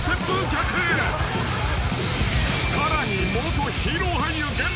［さらに］